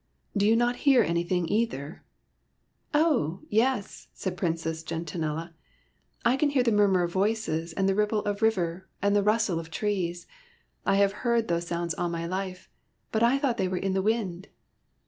Do you not hear anything either? "" Oh, yes," said Princess Gentianella ;" I can hear the murmur of voices and the ripple of rivers and the rustle of trees. I have heard those sounds all my life, but I thought they were in the wind."